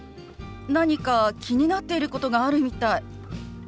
何か気になってることがあるみたい。